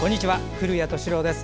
古谷敏郎です。